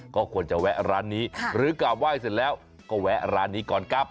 ก็ควรจะแวะร้านนี้หรือกราบไหว้เสร็จแล้วก็แวะร้านนี้ก่อนครับ